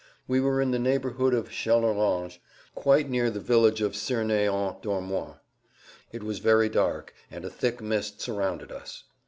We were in the neighborhood of Challerange quite near the village of Cerney en Dormois. It was very dark and a thick mist surrounded us.